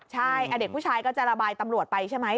ใช่เด็กผู้ชายก็จะระบายตำรวจไปใช่ไหม